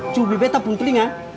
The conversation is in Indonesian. cubi beta pun telinga